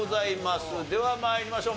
では参りましょう。